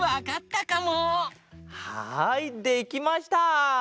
はいできました！